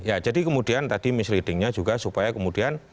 ya jadi kemudian tadi misleading nya juga supaya kemudian